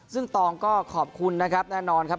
ซึ่งตองก็ขอบคุณนะครับแน่นอนครับ